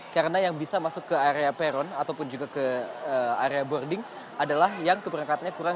karena yang bisa masuk ke area peron ataupun juga ke area boarding adalah yang keberangkatannya kurang